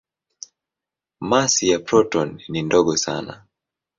Masi ya protoni ni ndogo sana.